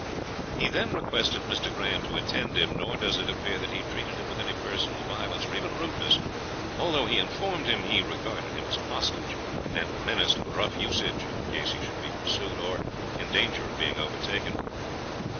He then requested Mr. Graham to attend him; nor does it appear that he treated him with any personal violence, or even rudeness, although he informed him he regarded him as a hostage, and menaced rough usage in case he should be pursued, or in danger of being overtaken.